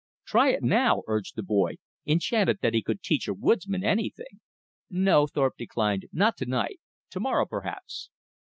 "Try it now!" urged the boy, enchanted that he could teach a woodsman anything. "No," Thorpe declined, "not to night, to morrow perhaps."